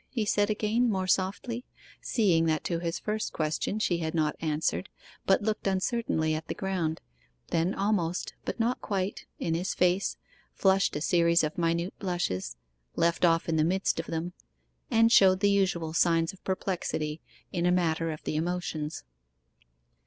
he said again, more softly, seeing that to his first question she had not answered, but looked uncertainly at the ground, then almost, but not quite, in his face, blushed a series of minute blushes, left off in the midst of them, and showed the usual signs of perplexity in a matter of the emotions.